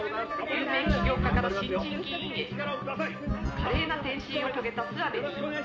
「有名起業家から新人議員へ華麗な転身を遂げた諏訪部議員」